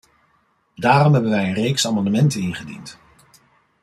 Daarom hebben wij een reeks amendementen ingediend.